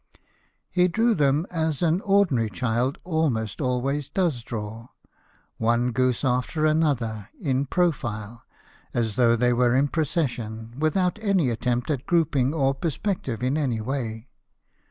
He drew them as an ordinary child almost always does draw one goose after another, in profile, as though they were in procession, without any attempt at grouping or perspective in any way.